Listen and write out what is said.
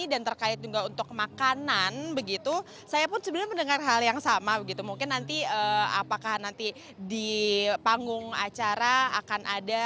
dan terkait juga untuk makanan begitu saya pun sebenarnya mendengar hal yang sama begitu mungkin nanti apakah nanti di panggung acara akan ada